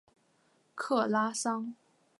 克拉桑。